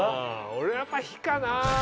俺やっぱ火かな。